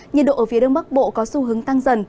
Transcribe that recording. nhiệt độ ở phía đông bắc bộ có xu hướng tăng dần